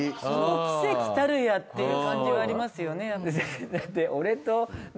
その奇跡たるやっていう感じはありますよね。